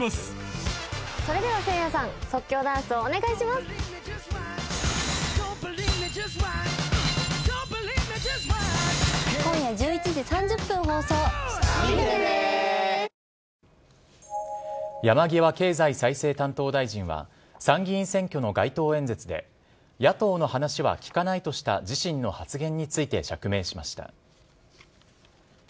また林外務大臣は、けさ、山際経済再生担当大臣は、参議院選挙の街頭演説で、野党の話は聞かないとした自身の発言について釈明しました。